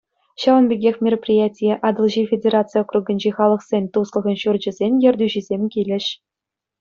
Ҫавӑн пекех мероприятие Атӑлҫи федераци округӗнчи Халӑхсен туслӑхӗн ҫурчӗсен ертӳҫисем килӗҫ.